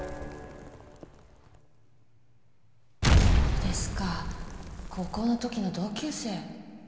そうですか高校の時の同級生。